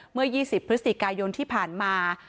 เมื่อ๒๐พฤศจิกายนที่ผ่านมา